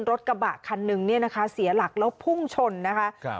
รถกระบะคันหนึ่งเนี่ยนะคะเสียหลักแล้วพุ่งชนนะคะครับ